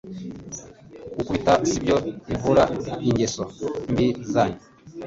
Gukubita sibyo bivuraingeso mbi zanyu